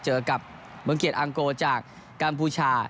เจอกับเมืองเกียจอังโกจากกัมพูชา